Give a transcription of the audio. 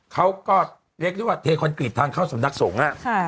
เขาก็เรียกได้ว่าเทคอนกรีตทางเข้าสำนักสงฆ์